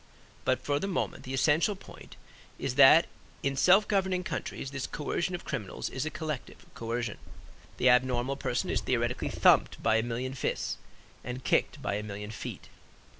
But for the moment the essential point is that in self governing countries this coercion of criminals is a collective coercion. The abnormal person is theoretically thumped by a million fists and kicked by a million feet.